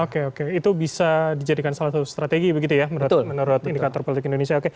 oke oke itu bisa dijadikan salah satu strategi begitu ya menurut indikator politik indonesia